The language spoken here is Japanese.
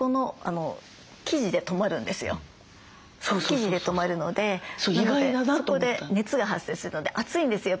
生地で止まるのでなのでそこで熱が発生するんで暑いんですよ